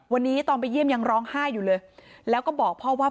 วันนี้ตอนไปเยี่ยมยังร้องไห้อยู่เลยแล้วก็บอกพ่อว่า